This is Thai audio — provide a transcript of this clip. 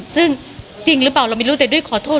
ซึ่งจริงหรือเปล่าเราไม่รู้แต่ด้วยขอโทษ